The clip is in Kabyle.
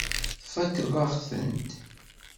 Tfakkeḍ-aɣ-tent.